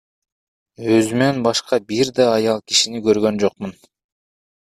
Өзүмөн башка бир да аял кишини көргөн жокмун.